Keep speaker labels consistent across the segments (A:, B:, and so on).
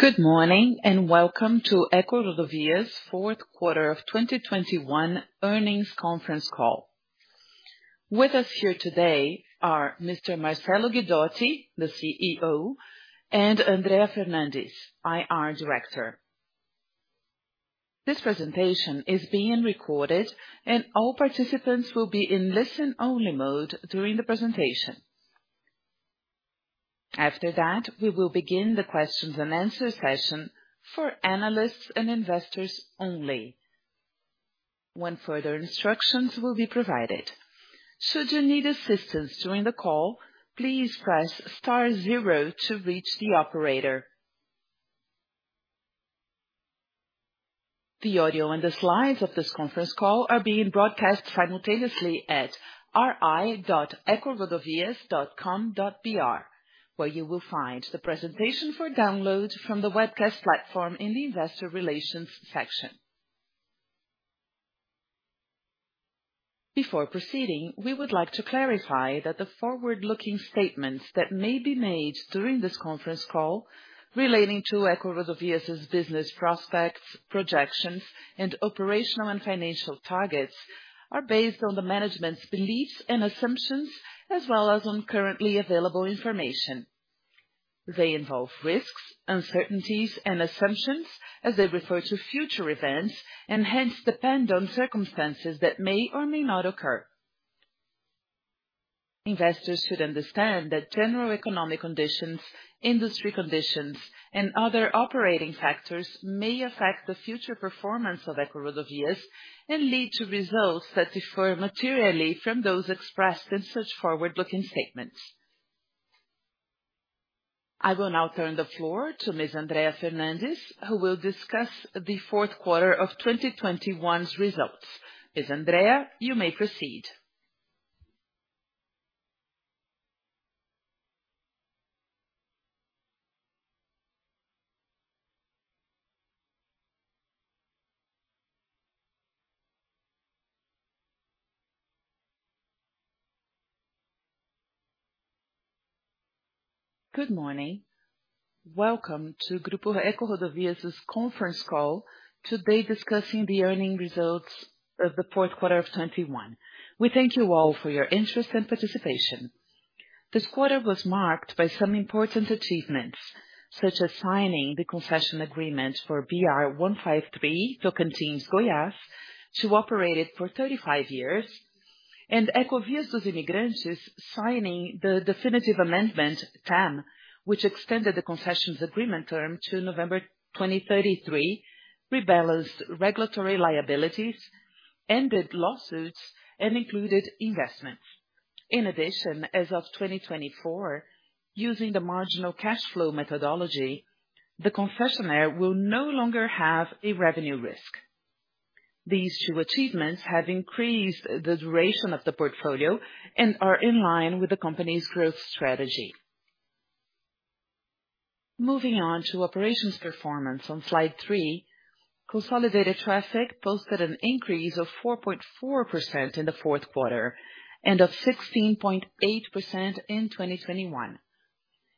A: Good morning, and welcome to EcoRodovias fourth quarter of 2021 earnings conference call. With us here today are Mr. Marcello Guidotti, the CEO, and Andrea Fernandes, IR Director. This presentation is being recorded and all participants will be in listen-only mode during the presentation. After that, we will begin the questions and answers session for analysts and investors only, at which time further instructions will be provided. Should you need assistance during the call, please press star zero to reach the operator. The audio and the slides of this conference call are being broadcast simultaneously at ri.ecorodovias.com.br, where you will find the presentation for download from the webcast platform in the Investor Relations section. Before proceeding, we would like to clarify that the forward-looking statements that may be made during this conference call relating to EcoRodovias' business prospects, projections, and operational and financial targets are based on the management's beliefs and assumptions as well as on currently available information. They involve risks, uncertainties, and assumptions as they refer to future events and hence depend on circumstances that may or may not occur. Investors should understand that general economic conditions, industry conditions, and other operating factors may affect the future performance of EcoRodovias and lead to results that differ materially from those expressed in such forward-looking statements. I will now turn the floor to Ms. Andrea Fernandes, who will discuss the fourth quarter of 2021's results. Ms. Andrea, you may proceed.
B: Good morning. Welcome to Grupo EcoRodovias' conference call, today discussing the earnings results of the fourth quarter of 2021. We thank you all for your interest and participation. This quarter was marked by some important achievements, such as signing the concession agreement for BR-153, Tocantins-Goiás, to operate it for 35 years, and Ecovias dos Imigrantes signing the definitive amendment, TAM, which extended the concession agreement term to November 2033, rebalanced regulatory liabilities, ended lawsuits, and included investments. In addition, as of 2024, using the marginal cash flow methodology, the concessionaire will no longer have a revenue risk. These two achievements have increased the duration of the portfolio and are in line with the company's growth strategy. Moving on to operations performance on slide three, consolidated traffic posted an increase of 4.4% in the fourth quarter and of 16.8% in 2021.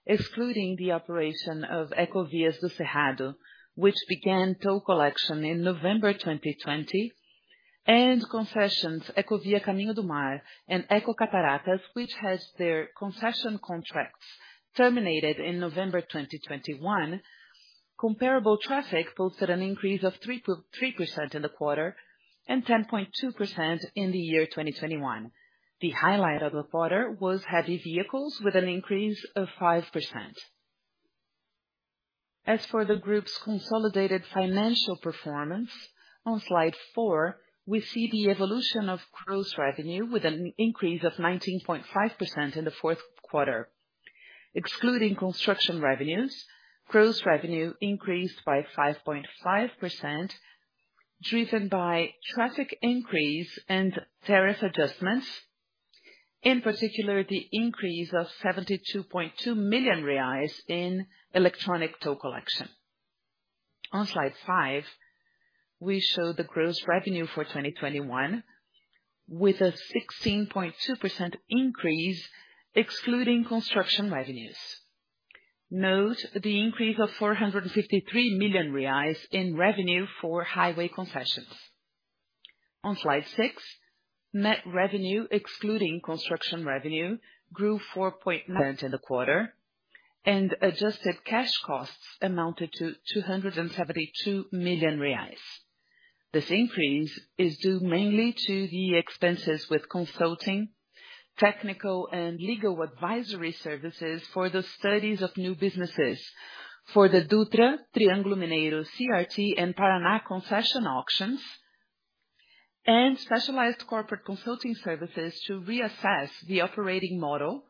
B: Excluding the operation of Ecovias do Cerrado, which began toll collection in November 2020, and concessions Ecovia Caminho do Mar and Ecocataratas, which had their concession contracts terminated in November 2021, comparable traffic posted an increase of 3% in the quarter and 10.2% in the year 2021. The highlight of the quarter was heavy vehicles with an increase of 5%. As for the group's consolidated financial performance, on slide four, we see the evolution of gross revenue with an increase of 19.5% in the fourth quarter. Excluding construction revenues, gross revenue increased by 5.5%, driven by traffic increase and tariff adjustments, in particular the increase of 72.2 million reais in electronic toll collection. On slide five, we show the gross revenue for 2021 with a 16.2% increase excluding construction revenues. Note the increase of 453 million in revenue for highway concessions. On slide six, net revenue, excluding construction revenue, grew 4.9% in the quarter, and adjusted cash costs amounted to 272 million reais. This increase is due mainly to the expenses with consulting, technical, and legal advisory services for the studies of new businesses for the Dutra, Triângulo Mineiro, CRT, and Paraná concession auctions, and specialized corporate consulting services to reassess the operating model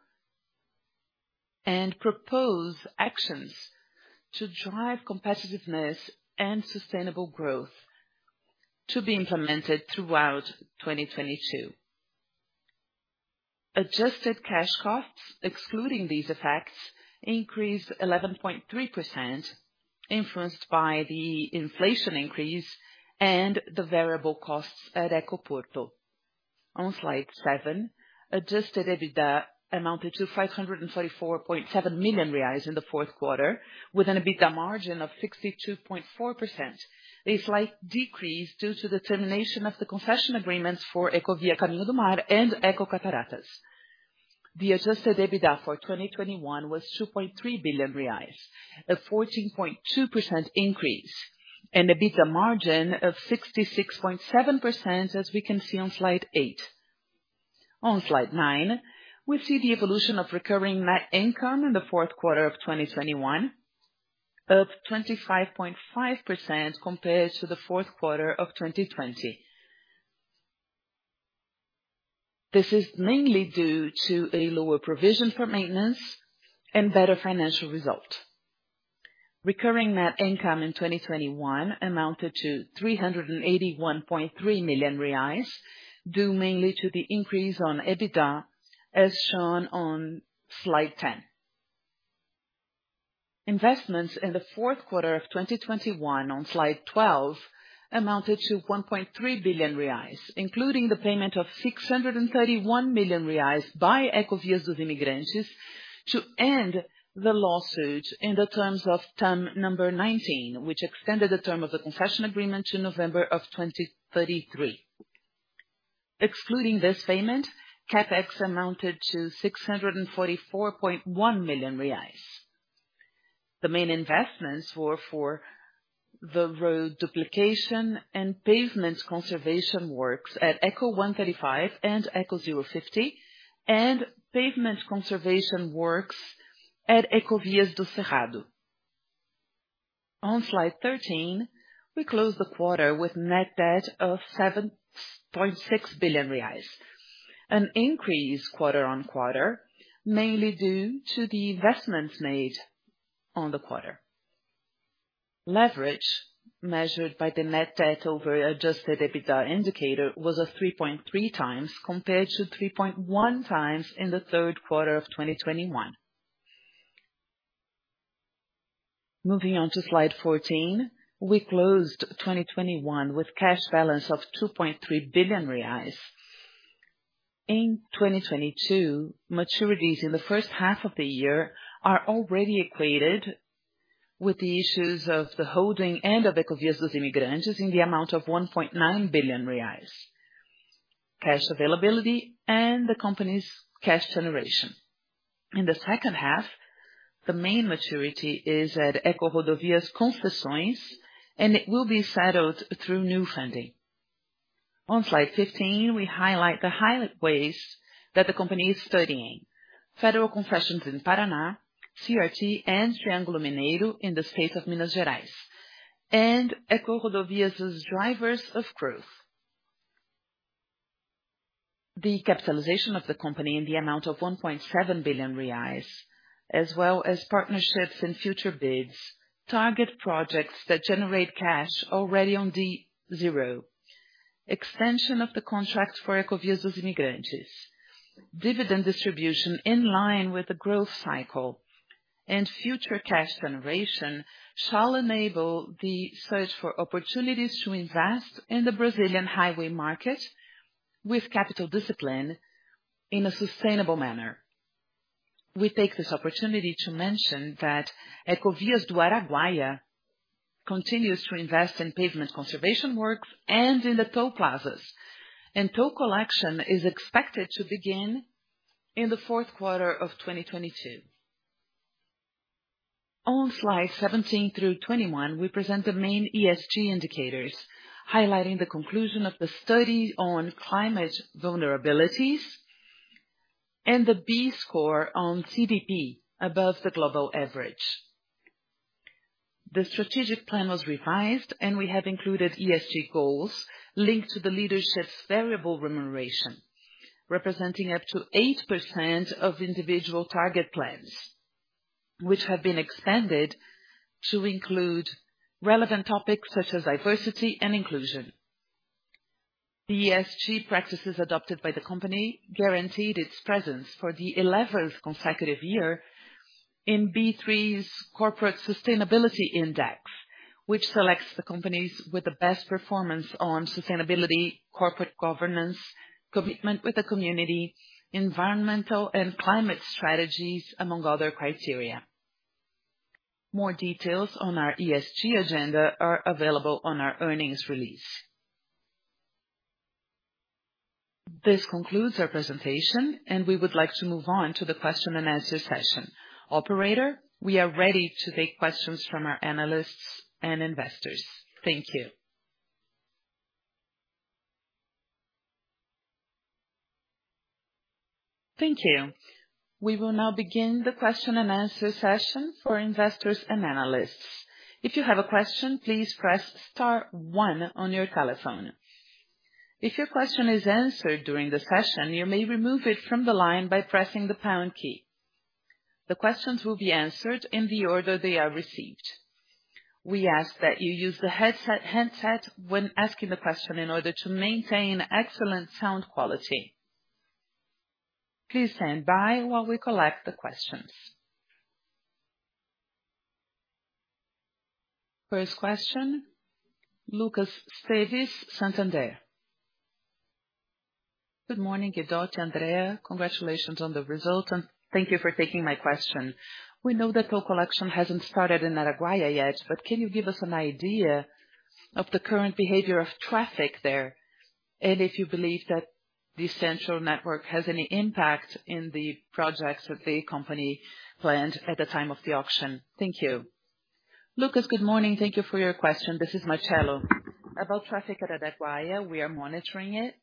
B: and propose actions to drive competitiveness and sustainable growth to be implemented throughout 2022. Adjusted cash costs, excluding these effects, increased 11.3%, influenced by the inflation increase and the variable costs at Ecoporto. On slide seven, adjusted EBITDA amounted to 544.7 million reais in the fourth quarter, with an EBITDA margin of 62.4%. A slight decrease due to the termination of the concession agreements for Ecovia Caminho do Mar and Ecocataratas. The adjusted EBITDA for 2021 was 2.3 billion reais, a 14.2% increase and EBITDA margin of 66.7%, as we can see on slide eight. On slide nine, we see the evolution of recurring net income in the fourth quarter of 2021, of 25.5% compared to the fourth quarter of 2020. This is mainly due to a lower provision for maintenance and better financial result. Recurring net income in 2021 amounted to 381.3 million reais, due mainly to the increase on EBITDA as shown on slide 10. Investments in the fourth quarter of 2021 on slide 12 amounted to 1.3 billion reais, including the payment of 631 million reais by Ecovias dos Imigrantes to end the lawsuit in the terms of TAM 19, which extended the term of the concession agreement to November of 2033. Excluding this payment, CapEx amounted to 644.1 million reais. The main investments were for the road duplication and pavement conservation works at Eco135 and Eco050, and pavement conservation works at Ecovias do Cerrado. On slide 13, we closed the quarter with net debt of 7.6 billion reais, an increase quarter-on-quarter, mainly due to the investments made in the quarter. Leverage measured by the net debt over adjusted EBITDA indicator was 3.3x compared to 3.1x in the third quarter of 2021. Moving on to slide 14. We closed 2021 with cash balance of 2.3 billion reais. In 2022, maturities in the first half of the year are already equated with the issues of the holding and of Ecovias dos Imigrantes in the amount of 1.9 billion reais. Cash availability and the company's cash generation in the second half, the main maturity is at EcoRodovias Concessões, and it will be settled through new funding. On slide 15, we highlight the highways that the company is studying. Federal concessions in Paraná, CRT and Triângulo Mineiro in the state of Minas Gerais and EcoRodovias' drivers of growth. The capitalization of the company in the amount of 1.7 billion reais, as well as partnerships and future bids, target projects that generate cash already on D-zero. Extension of the contract for Ecovias dos Imigrantes. Dividend distribution in line with the growth cycle and future cash generation shall enable the search for opportunities to invest in the Brazilian highway market with capital discipline in a sustainable manner. We take this opportunity to mention that Ecovias do Araguaia continues to invest in pavement conservation works and in the toll plazas, and toll collection is expected to begin in the fourth quarter of 2022. On slide 17 through 21, we present the main ESG indicators, highlighting the conclusion of the study on climate vulnerabilities and the B score on CDP above the global average. The strategic plan was revised and we have included ESG goals linked to the leadership's variable remuneration, representing up to 8% of individual target plans, which have been expanded to include relevant topics such as diversity and inclusion. The ESG practices adopted by the company guaranteed its presence for the eleventh consecutive year in B3's Corporate Sustainability Index, which selects the companies with the best performance on sustainability, corporate governance, commitment to the community, environmental and climate strategies, among other criteria. More details on our ESG agenda are available on our earnings release. This concludes our presentation, and we would like to move on to the question and answer session. Operator, we are ready to take questions from our analysts and investors. Thank you.
A: Thank you. We will now begin the question and answer session for investors and analysts. First question, Lucas Steves, Santander.
C: Good morning, Guidotti, Andrea. Congratulations on the result, and thank you for taking my question. We know that toll collection hasn't started in Araguaia yet, but can you give us an idea of the current behavior of traffic there, and if you believe that the central network has any impact in the projects that the company planned at the time of the auction? Thank you.
D: Lucas, good morning. Thank you for your question. This is Marcello. About traffic at Araguaia, we are monitoring it.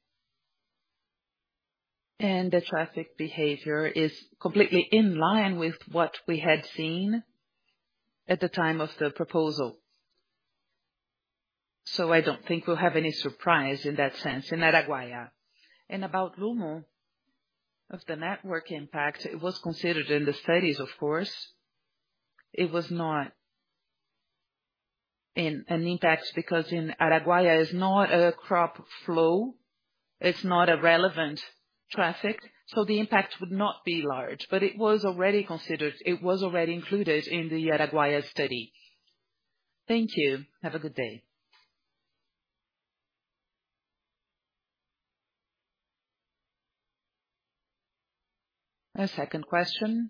D: The traffic behavior is completely in line with what we had seen at the time of the proposal. I don't think we'll have any surprise in that sense in Araguaia. About Rumo, on the network impact, it was considered in the studies, of course. It was not an impact because Araguaia is not a crop flow. It's not a relevant traffic, so the impact would not be large. It was already considered. It was already included in the Araguaia study.
C: Thank you. Have a good day.
A: Our second question,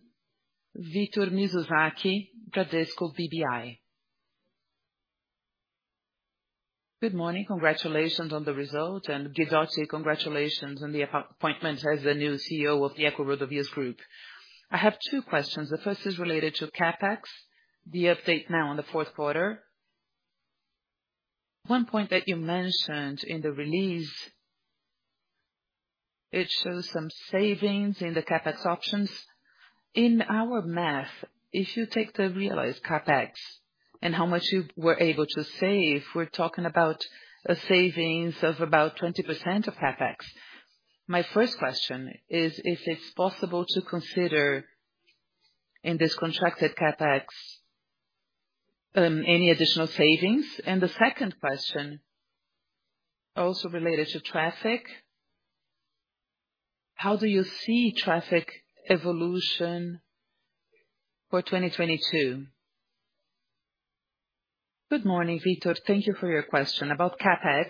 A: Victor Mizusaki, Bradesco BBI.
E: Good morning. Congratulations on the result. Guidotti, congratulations on the appointment as the new CEO of the EcoRodovias Group. I have two questions. The first is related to CapEx, the update now on the fourth quarter. One point that you mentioned in the release, it shows some savings in the CapEx options. In our math, if you take the realized CapEx and how much you were able to save, we're talking about a savings of about 20% of CapEx. My first question is if it's possible to consider in this contracted CapEx, any additional savings? The second question, also related to traffic, how do you see traffic evolution for 2022?
D: Good morning, Victor. Thank you for your question. About CapEx,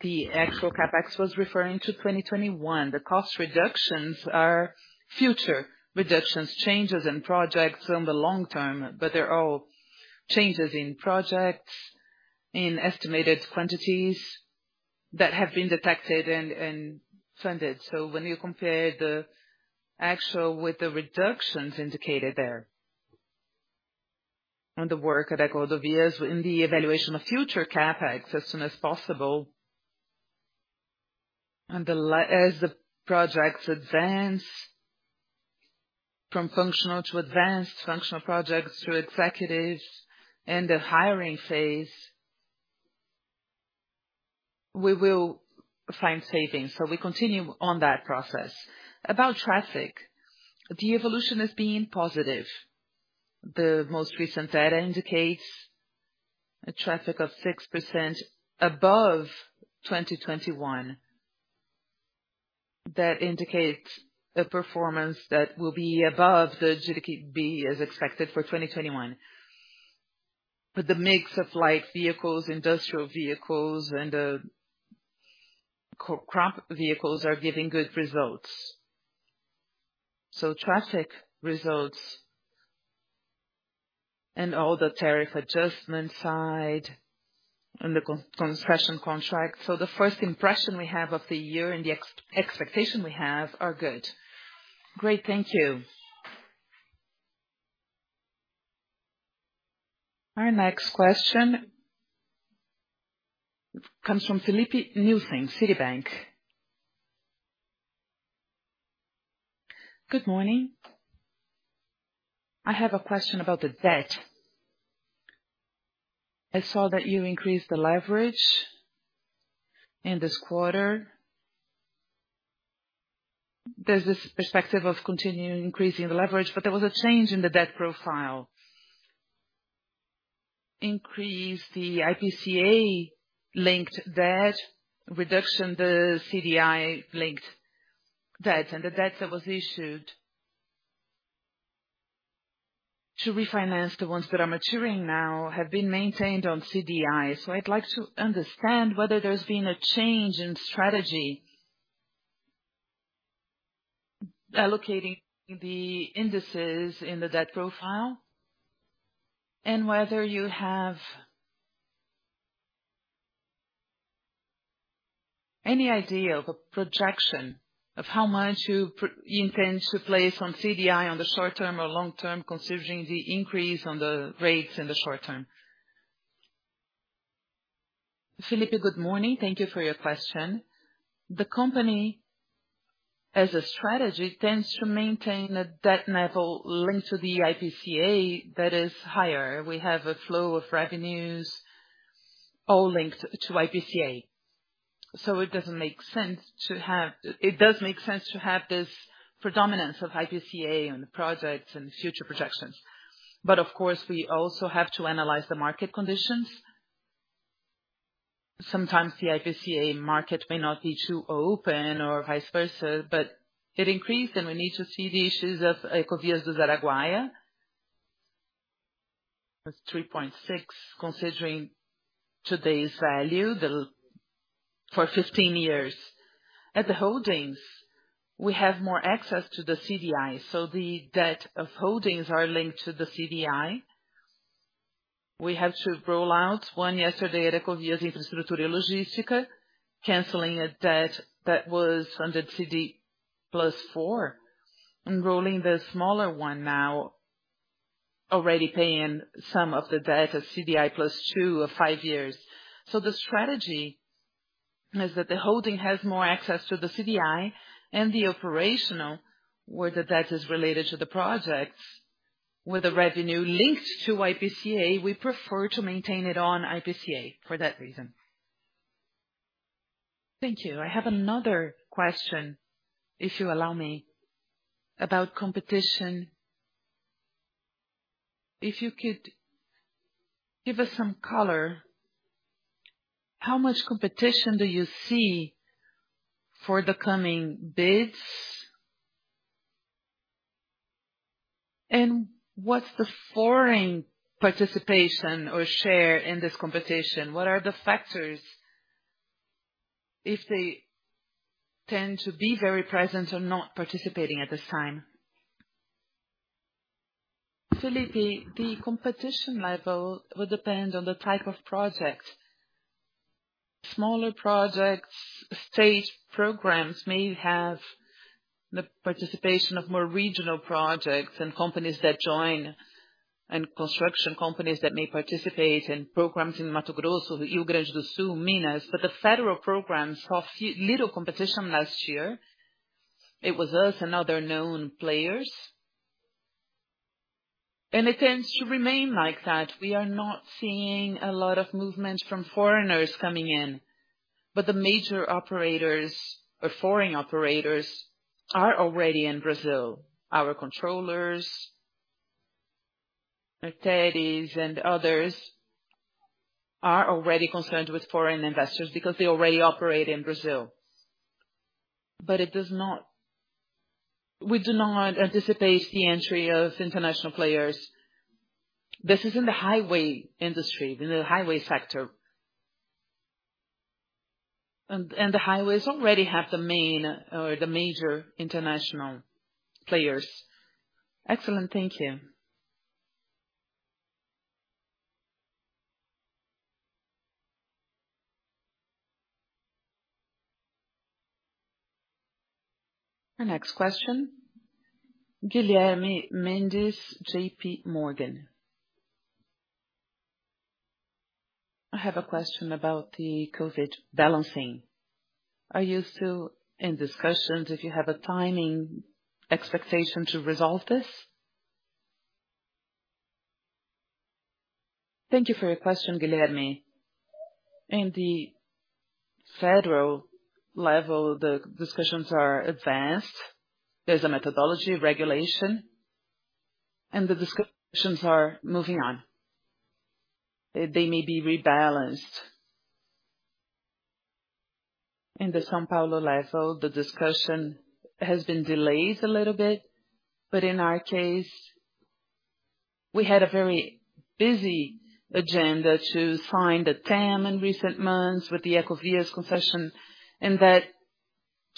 D: the actual CapEx was referring to 2021. The cost reductions are future reductions, changes in projects on the long term, but they're all changes in projects, in estimated quantities that have been detected and funded. When you compare the actual with the reductions indicated there on the work at EcoRodovias in the evaluation of future CapEx as soon as possible, and as the projects advance from functional to advanced functional projects through executives and the hiring phase, we will find savings. We continue on that process. About traffic, the evolution has been positive. The most recent data indicates a traffic of 6% above 2021. That indicates a performance that will be above the guidance as expected for 2021. The mix of light vehicles, industrial vehicles, and cargo vehicles are giving good results. Traffic results and all the tariff adjustment side and the concession contract. The first impression we have of the year and the expectation we have are good.
E: Great. Thank you.
A: Our next question comes from Felipe Husein, Citibank. Good morning.
F: I have a question about the debt. I saw that you increased the leverage in this quarter. There's this perspective of continuing increasing the leverage, but there was a change in the debt profile. Increase the IPCA-linked debt, reduction the CDI-linked debt, and the debt that was issued to refinance the ones that are maturing now have been maintained on CDI. I'd like to understand whether there's been a change in strategy allocating the indices in the debt profile and whether you have any idea of a projection of how much you intend to place on CDI on the short term or long term considering the increase on the rates in the short term.
D: Felipe, good morning. Thank you for your question. The company, as a strategy, tends to maintain a debt level linked to the IPCA that is higher. We have a flow of revenues all linked to IPCA, so it doesn't make sense. It does make sense to have this predominance of IPCA on the projects and future projections. Of course, we also have to analyze the market conditions. Sometimes the IPCA market may not be too open or vice versa, but it increased, and we need to see the issues of Ecovias do Araguaia. That's 3.6, considering today's value, for 15 years. At the holdings, we have more access to the CDI, so the debt of holdings are linked to the CDI. We have to roll out one yesterday at EcoRodovias Infraestrutura e Logística, canceling a debt that was funded CDI plus four, and rolling the smaller one now, already paying some of the debt at CDI plus 2.5 years. The strategy is that the holding has more access to the CDI and the operational, where the debt is related to the projects. With the revenue linked to IPCA, we prefer to maintain it on IPCA for that reason.
F: Thank you. I have another question, if you allow me, about competition. If you could give us some color, how much competition do you see for the coming bids? What's the foreign participation or share in this competition? What are the factors if they tend to be very present or not participating at this time?
D: Felipe, the competition level will depend on the type of project. Smaller projects, state programs may have the participation of more regional projects and companies that join, and construction companies that may participate in programs in Mato Grosso, Rio Grande do Sul, Minas. The federal programs saw little competition last year. It was us and other known players. It tends to remain like that. We are not seeing a lot of movement from foreigners coming in. The major operators or foreign operators are already in Brazil. Our controllers, Ardian and others, are already concerned with foreign investors because they already operate in Brazil. We do not anticipate the entry of international players. This is in the highway industry, in the highway sector. The highways already have the main or the major international players.
F: Excellent. Thank you.
A: The next question, Guilherme Mendes, JPMorgan.
G: I have a question about the COVID balancing. Are you still in discussions if you have a timing expectation to resolve this?
D: Thank you for your question, Guilherme. In the federal level, the discussions are advanced. There's a methodology regulation, and the discussions are moving on. They may be rebalanced. In the São Paulo level, the discussion has been delayed a little bit, but in our case, we had a very busy agenda to sign the TAM in recent months with the Ecovias concession, and that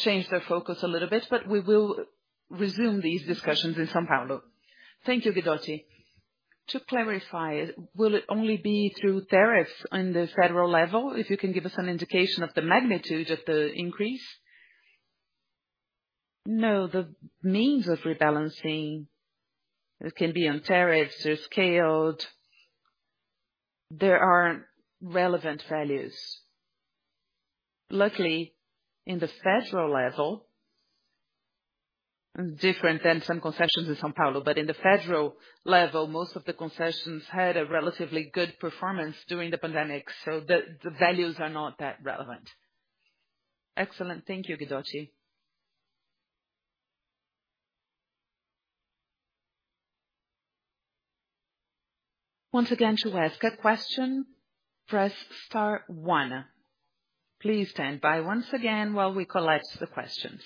D: changed their focus a little bit, but we will resume these discussions in São Paulo.
G: Thank you, Guidotti. To clarify, will it only be through tariffs on the federal level? If you can give us an indication of the magnitude of the increase.
D: No, the means of rebalancing can be on tariffs or scaled. There are relevant values. Luckily, in the federal level, different than some concessions in São Paulo, but in the federal level, most of the concessions had a relatively good performance during the pandemic, so the values are not that relevant.
G: Excellent. Thank you, Guidotti.
A: Please stand by once again while we collect the questions.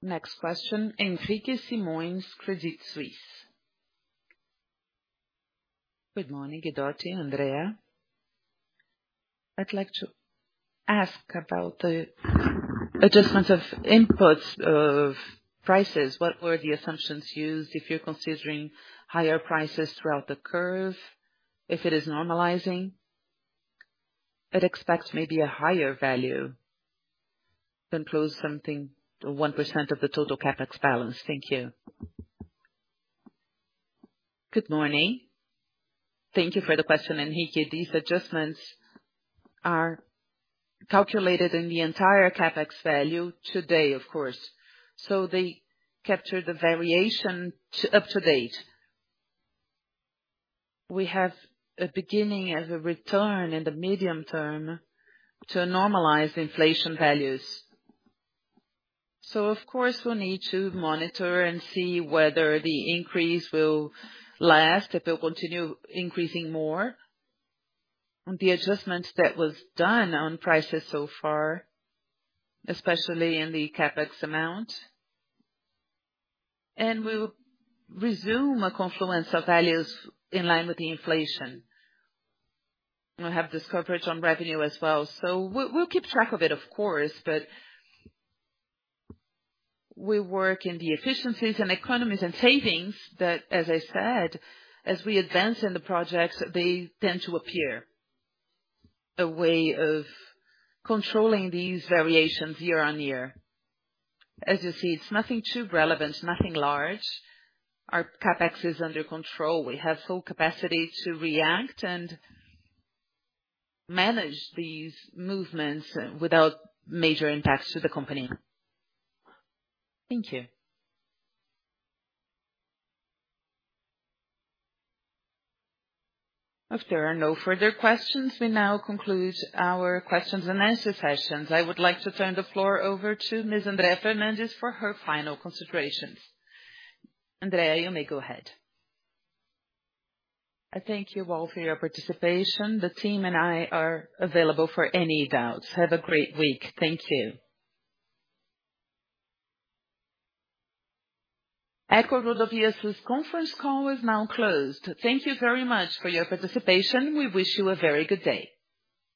A: Next question, Henrique Simões, Credit Suisse.
H: Good morning, Guidotti, Andrea. I'd like to ask about the adjustments of inputs of prices. What were the assumptions used if you're considering higher prices throughout the curve, if it is normalizing? I'd expect maybe a higher value than close something to 1% of the total CapEx balance. Thank you.
D: Good morning. Thank you for the question, Henrique. These adjustments are calculated in the entire CapEx value today, of course. They capture the variation up to date. We have a beginning as a return in the medium term to normalize inflation values. Of course, we'll need to monitor and see whether the increase will last, if it will continue increasing more. The adjustment that was done on prices so far, especially in the CapEx amount. We'll resume a confluence of values in line with the inflation. We have this coverage on revenue as well. We'll keep track of it, of course, but we work in the efficiencies and economies and savings that, as I said, as we advance in the projects, they tend to appear, a way of controlling these variations year-over-year. As you see, it's nothing too relevant, nothing large. Our CapEx is under control. We have full capacity to react and manage these movements without major impacts to the company.
H: Thank you.
A: If there are no further questions, we now conclude our questions and answer sessions. I would like to turn the floor over to Ms. Andrea Fernandes for her final considerations. Andrea, you may go ahead.
B: I thank you all for your participation. The team and I are available for any doubts. Have a great week. Thank you.
A: EcoRodovias' conference call is now closed. Thank you very much for your participation. We wish you a very good day.